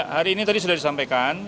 hari ini tadi sudah disampaikan